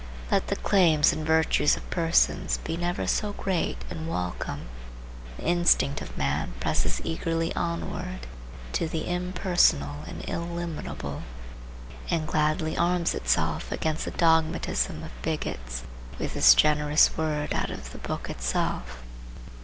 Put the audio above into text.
Let the claims and virtues of persons be never so great and welcome, the instinct of man presses eagerly onward to the impersonal and illimitable, and gladly arms itself against the dogmatism of bigots with this generous word out of the book itself.